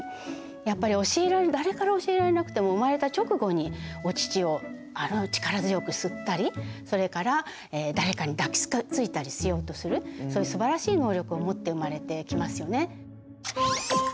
やっぱり誰から教えられなくても生まれた直後にお乳を力強く吸ったりそれから誰かに抱きついたりしようとするそういうすばらしい能力を持って生まれてきますよね。